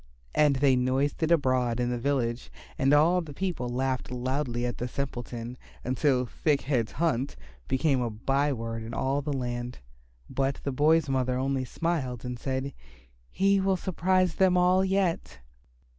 And they noised it abroad in the village and all the people laughed loudly at the simpleton, until "Thick head's hunt" became a by word in all the land. But the boy's mother only smiled and said, "He will surprise them all yet."